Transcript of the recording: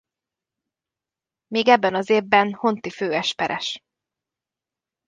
Még ebben az évben honti főesperes.